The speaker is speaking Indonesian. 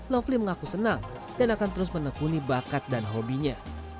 lovely mengaku senang dan akan terus menekuni bakatnya